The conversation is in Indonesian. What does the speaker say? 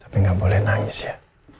tapi nggak boleh nangis ya